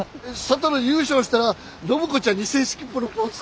智優勝したら暢子ちゃんに正式プロポーズ！